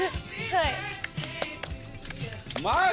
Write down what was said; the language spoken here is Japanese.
はい。